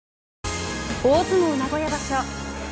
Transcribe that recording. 大相撲名古屋場所